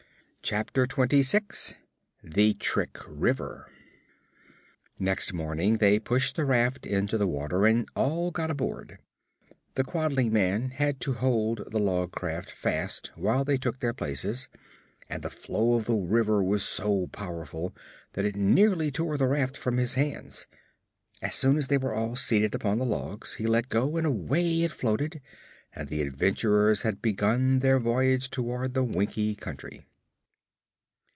Chapter Twenty Six The Trick River Next morning they pushed the raft into the water and all got aboard. The Quadling man had to hold the log craft fast while they took their places, and the flow of the river was so powerful that it nearly tore the raft from his hands. As soon as they were all seated upon the logs he let go and away it floated and the adventurers had begun their voyage toward the Winkie Country.